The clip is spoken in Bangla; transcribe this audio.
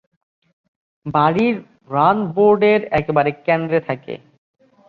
বাড়ির রান বোর্ডের একেবারে কেন্দ্রে থাকে।